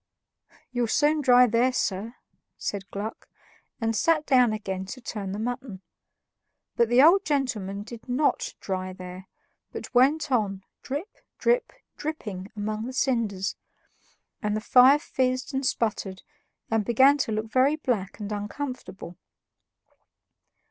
"You'll soon dry there, sir," said Gluck, and sat down again to turn the mutton. But the old gentleman did NOT dry there, but went on drip, drip, dripping among the cinders, and the fire fizzed and sputtered and began to look very black and uncomfortable.